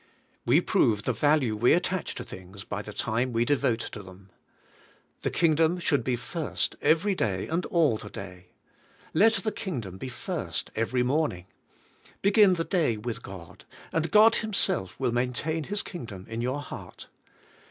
We prove the value we attach to things by the time we devote to them. The Kingdom should be first every day, and all the day. Let the Kingdom be first every morn ing. Begin the day with God, and God Himself will maintain His Kingdom in your heart.